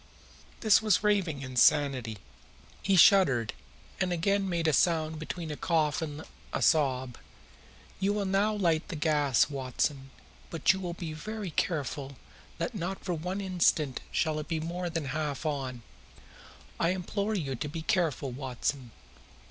This was raving insanity. He shuddered, and again made a sound between a cough and a sob. "You will now light the gas, Watson, but you will be very careful that not for one instant shall it be more than half on. I implore you to be careful, Watson.